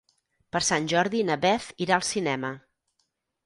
Per Sant Jordi na Beth irà al cinema.